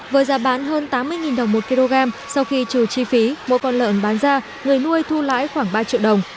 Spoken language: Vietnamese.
với giá bán hơn tám mươi đồng một kg sau khi trừ chi phí mỗi con lợn bán ra người nuôi thu lãi khoảng ba triệu đồng